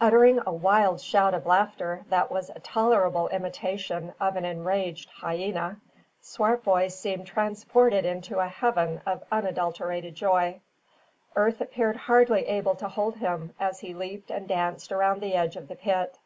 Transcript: Uttering a wild shout of laughter that was a tolerable imitation of an enraged hyena, Swartboy seemed transported into a heaven of unadulterated joy. Earth appeared hardly able to hold him as he leaped and danced around the edge of the pit.